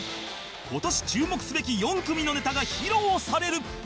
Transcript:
今年注目すべき４組のネタが披露される